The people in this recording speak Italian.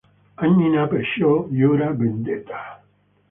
Annina perciò giura vendetta.